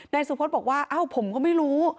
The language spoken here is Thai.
นายสุพสตร์บอกว่าอ้าวผมก็ไม่รู้